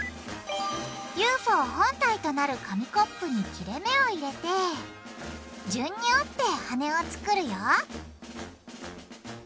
ＵＦＯ本体となる紙コップに切れ目を入れて順に折って羽を作るよ